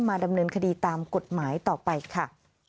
ดำเนินคดีตามกฎหมายต่อไปค่ะ